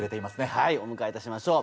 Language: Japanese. はいお迎えいたしましょう。